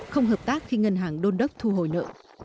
không hợp tác khi ngân hàng đôn đốc thu hồi nợ